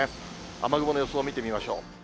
雨雲の予想を見てみましょう。